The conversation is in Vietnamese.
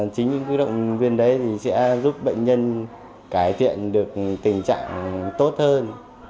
chính những cái động viên đấy thì sẽ giúp bệnh nhân cải thiện được tình trạng tốt hơn